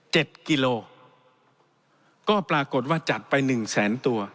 กิโลก็ปรากฏว่าจัดไปหนึ่งแสนตัว